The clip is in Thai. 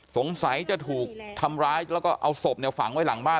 สงสัยจะถูกทำร้ายแล้วก็เอาศพเนี่ยฝังไว้หลังบ้าน